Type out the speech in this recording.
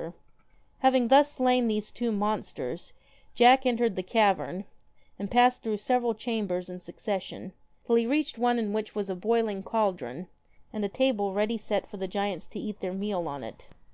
KILLER Having thus slain these two monsters, Jack entered the cavern, and passed through several chambers in succession, till he reached one in which was a boiling caldron, and a table ready set for the giants to eat their meal on it.